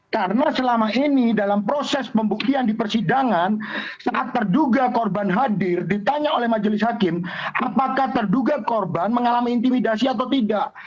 karena selama ini dalam proses pembuktian di persidangan saat terduga korban hadir ditanya oleh majelis hakim apakah terduga korban mengalami intimidasi atau tidak